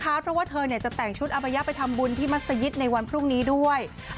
เพราะว่าเธอจะแต่งชุดอบายะไปทำบุญที่มัศยิตในวันพรุ่งนี้ด้วย